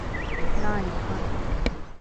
না, ইরফান।